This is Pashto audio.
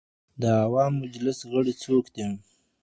د عوامو مجلس غړي څوک دي؟